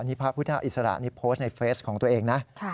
นี่พระพุทธอิสระนี่โพสต์ในเฟสของตัวเองนะ